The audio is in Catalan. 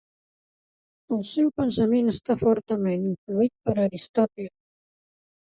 El seu pensament està fortament influït per Aristòtil.